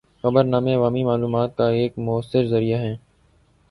خبرنامے عوامی معلومات کا ایک مؤثر ذریعہ ہیں۔